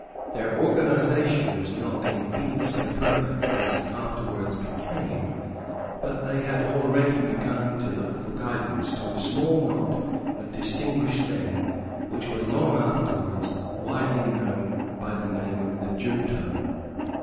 Their organization was not indeed so perfect as it afterwards became; but they had already begun to look for guidance to a small knot of distinguished men, which was long afterwards widely known by the name of the junto.